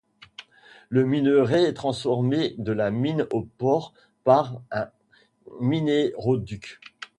Le minerai est transporté de la mine au port par un minéroduc.